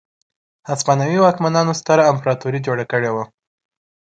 هسپانوي واکمنانو ستره امپراتوري جوړه کړې وه.